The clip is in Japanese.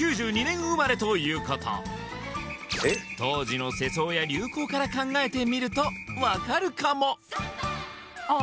当時の世相や流行から考えてみると分かるかもああ